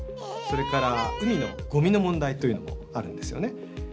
それから海のゴミの問題というのもあるんですよね。